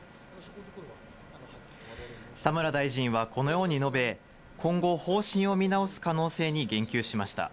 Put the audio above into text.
田村大臣はこのように述べ、今後、方針を見直す可能性に言及しました。